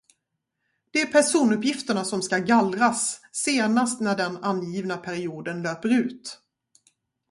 Det är personuppgifterna som ska gallras senast när den angivna perioden löper ut.